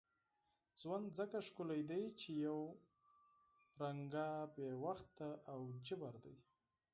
ژوند ځکه ښکلی دی چې یو ډول بې وخته او جبر دی.